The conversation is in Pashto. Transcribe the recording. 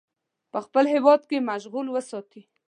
په خپل هیواد کې مشغول وساتي.